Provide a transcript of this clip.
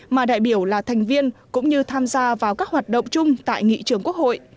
mà đại biểu là thành viên cũng như tham gia vào các hoạt động chung tại nghị trường quốc hội